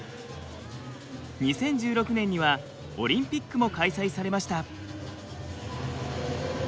２０１６年にはオリンピックも開催されました。